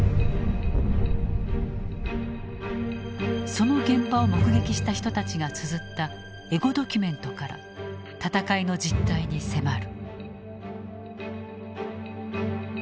その現場を目撃した人たちがつづったエゴドキュメントから戦いの実態に迫る。